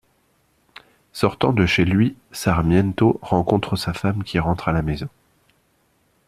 Sortant de chez lui, Sarmiento rencontre sa femme qui rentre à la maison.